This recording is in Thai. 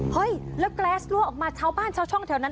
เฮ้ยแล้วแกรสรั่วออกมาชาวบ้านชาวช่องแถวนั้น